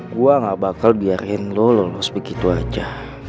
gue gak bakal biarin lolos begitu aja